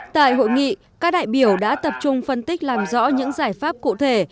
tại hội nghị các đại biểu đã tập trung phân tích làm rõ những giải pháp cụ thể